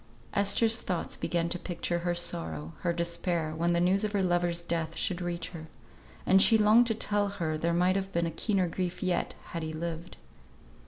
Esther's thoughts began to picture her sorrow, her despair, when the news of her lover's death should reach her; and she longed to tell her there might have been a keener grief yet had he lived.